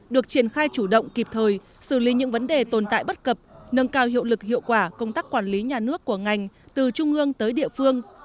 được triển khai chủ động kịp thời xử lý những vấn đề tồn tại bất cập nâng cao hiệu lực hiệu quả công tác quản lý nhà nước của ngành từ trung ương tới địa phương